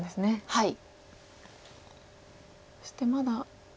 はい。